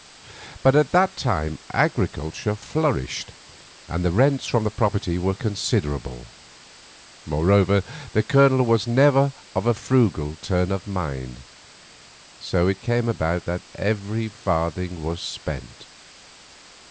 But at that time agriculture flourished, and the rents from the property were considerable; moreover, the Colonel was never of a frugal turn of mind. So it came about that every farthing was spent.